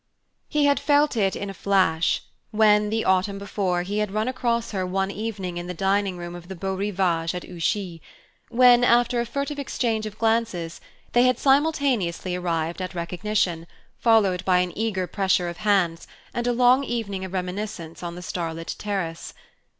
He had felt it in a flash, when, the autumn before, he had run across her one evening in the dining room of the Beaurivage at Ouchy; when, after a furtive exchange of glances, they had simultaneously arrived at recognition, followed by an eager pressure of hands, and a long evening of reminiscence on the starlit terrace.